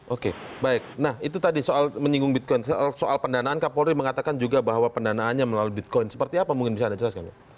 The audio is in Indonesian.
oke baik nah itu tadi soal menyinggung bitcoin soal pendanaan kapolri mengatakan juga bahwa pendanaannya melalui bitcoin seperti apa mungkin bisa anda jelaskan